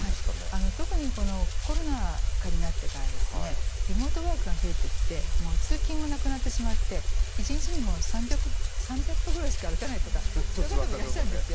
特にこのコロナ禍になってからですねリモートワークが増えてきてもう通勤もなくなってしまって一日に３００歩ぐらいしか歩かないとかそういう方もいらっしゃるんですよ。